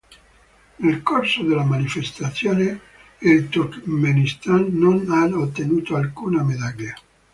Nel corso della manifestazione il Turkmenistan non ha ottenuto alcuna medaglia.